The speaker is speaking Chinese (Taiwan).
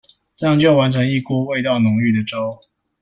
這樣就完成一鍋味道濃郁的粥